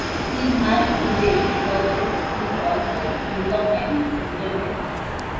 He is married to Jane Perlez, who is also a "New York Times" journalist.